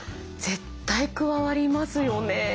絶対加わりますよね。